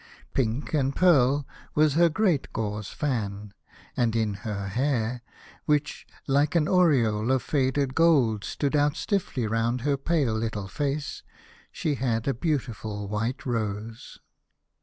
Pink and pearl was her great gauze fan, and in her hair, which like an aureole of faded gold stood out stiffly round her pale little face, she had a beautiful white rose.